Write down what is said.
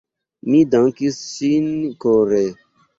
Mi dankis ŝin kore.